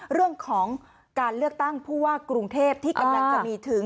เรื่องของการเลือกตั้งผู้ว่ากรุงเทพที่กำลังจะมีถึง